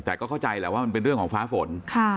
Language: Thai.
แต่ก็เข้าใจแหละว่ามันเป็นเรื่องของฟ้าฝน